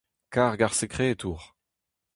Karg ar sekretour.